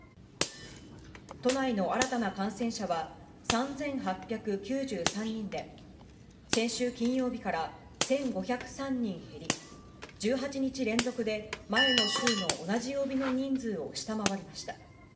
都内の新たな感染者は３８９３人で、先週金曜日から１５０３人減り、１８日連続で前の週の同じ曜日の人数を下回りました。